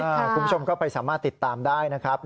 คุณผู้ชมก็ไปสามารถติดตามได้นะครับ